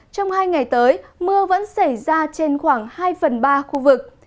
trong hai ngày tới mưa vẫn xảy ra trên khoảng hai phần ba khu vực